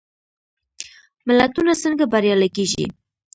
ملتونه څنګه بریالي کېږي؟ نومي کتاب تازه چاپ شو.